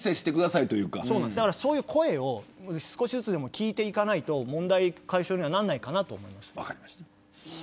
そういう声を少しずつ聞いていかないと問題解消にはならないかなと思います。